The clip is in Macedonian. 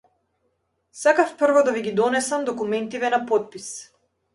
Сакав прво да ви ги донесам документиве на потпис.